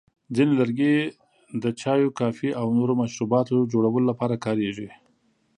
ځینې لرګي د چایو، کافي، او نورو مشروباتو جوړولو لپاره کارېږي.